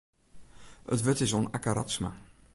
It wurd is oan Akke Radsma.